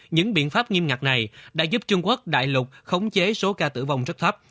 những biện pháp nghiêm ngặt này đã giúp trung quốc đại lục khống chế số ca tử vong rất thấp